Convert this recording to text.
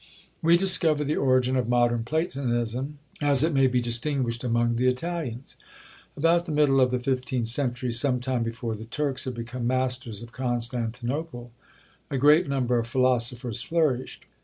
We discover the origin of MODERN PLATONISM, as it may be distinguished, among the Italians. About the middle of the fifteenth century, some time before the Turks had become masters of Constantinople, a great number of philosophers flourished.